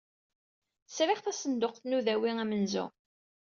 Sriɣ tasenduqt n udawi amenzu.